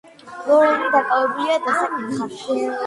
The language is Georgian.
ლორენი დაკავებულია დასაკითხად.